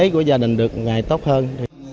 để hoàn thành được ngày tốt hơn